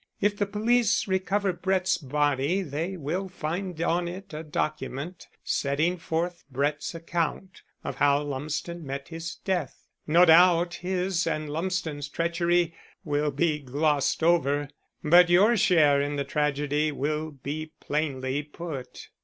If the police recover Brett's body, they will find on it a document setting forth Brett's account of how Lumsden met his death. No doubt his and Lumsden's treachery will be glossed over, but your share in the tragedy will be plainly put."